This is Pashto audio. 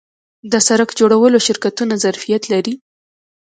د سرک جوړولو شرکتونه ظرفیت لري؟